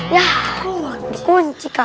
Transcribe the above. yah kunci kak